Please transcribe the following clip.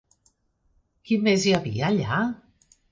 Qui més hi havia allà?